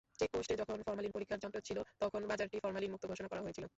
চেকপোস্টে যখন ফরমালিন পরীক্ষার যন্ত্র ছিল, তখন বাজারটি ফরমালিনমুক্ত ঘোষণা করা হয়েছিল।